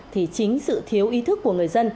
thì chính sự thiếu ý thức của người dân